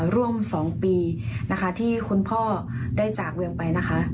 ร่วม๒ปีนะคะที่คุณพ่อได้จากเมืองไปนะคะ